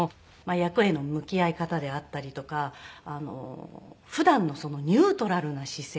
役への向き合い方であったりとか普段のニュートラルな姿勢